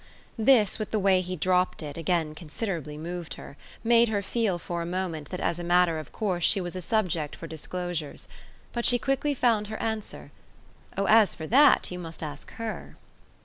This, with the way he dropped it, again considerably moved her made her feel for a moment that as a matter of course she was a subject for disclosures. But she quickly found her answer. "Oh as for that you must ask HER."